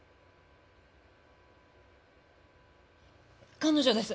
彼女です。